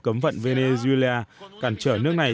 cấm vận venezuela cản trở nước này